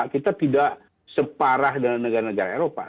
kita tidak separah dengan negara negara eropa